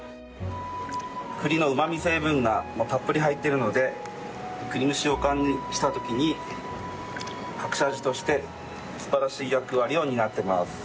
栗のうまみ成分がたっぷり入っているので栗蒸しようかんにした時に隠し味として素晴らしい役割を担ってます。